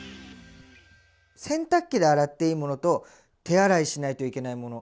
洗濯機で洗っていいものと手洗いしないといけないもの